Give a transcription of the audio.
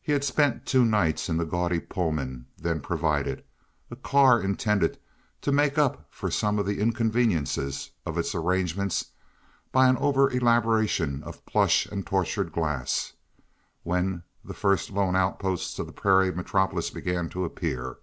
He had spent two nights in the gaudy Pullman then provided—a car intended to make up for some of the inconveniences of its arrangements by an over elaboration of plush and tortured glass—when the first lone outposts of the prairie metropolis began to appear.